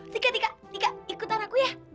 tiga tiga tiga ikutan aku ya